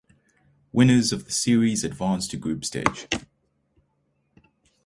Winners of the series advance to Group stage.